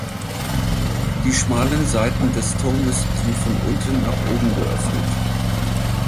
Die schmalen Seiten des Turmes sind von unten nach oben geöffnet.